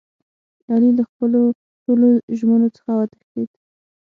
علي له خپلو ټولو ژمنو څخه و تښتېدا.